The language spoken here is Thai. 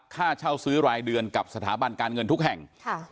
ค่าเช่าซื้อรายเดือนกับสถาบันการเงินทุกแห่ง